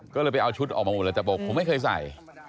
ก็เลยไปเอาชุดออกมาหมดเลยแต่บอกผมไม่เคยใส่